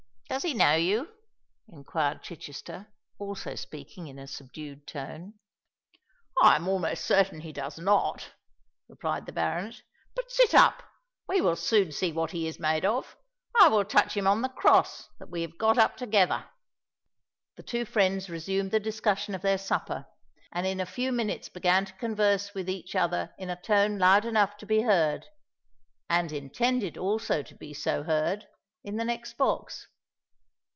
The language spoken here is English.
"Does he know you?" inquired Chichester, also speaking in a subdued tone. "I am almost certain he does not," replied the baronet. "But sit up—we will soon see what he is made of. I will touch him on the cross that we have got up together." The two friends resumed the discussion of their supper, and in a few minutes began to converse with each other in a tone loud enough to be heard—and intended also to be so heard—in the next box.